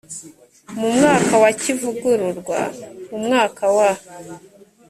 mu mwaka wa kivugururwa mu mwaka wa